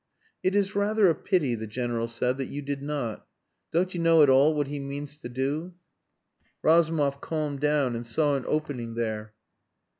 "It is rather a pity," the General said, "that you did not. Don't you know at all what he means to do?" Razumov calmed down and saw an opening there.